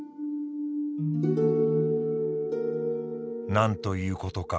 「何ということか悲痛